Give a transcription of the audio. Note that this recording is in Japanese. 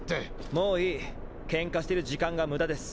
もういい喧嘩してる時間が無駄です。